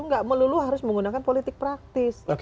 nggak melulu harus menggunakan politik praktis